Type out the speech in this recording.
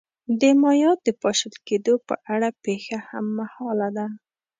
د مایا د پاشل کېدو په اړه پېښه هممهاله ده.